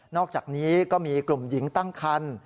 อกจากนี้ก็มีกลุ่มหญิงตั้งคัน